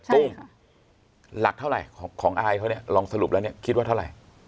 ตุ้มหลักเท่าไหร่ของอายเขาเนี่ยลองสรุปแล้วเนี่ยคิดว่าเท่าไหร่